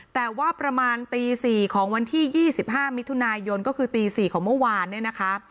แต่ว่าประมาณตี๔ของวันที่๒๕มิถุนายนก็คือตี๔ของเมื่อวานเนี่ยนะคะ